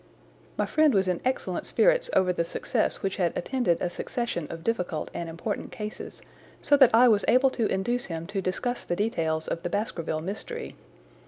My friend was in excellent spirits over the success which had attended a succession of difficult and important cases, so that I was able to induce him to discuss the details of the Baskerville mystery.